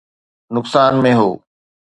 نقصان ۾ هو